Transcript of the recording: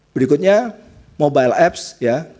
berikutnya mobile apps ya tadi disampaikan bahwa